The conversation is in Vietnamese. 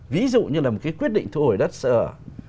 ví dụ như là một cái quyết định thu hồi đất sơ hở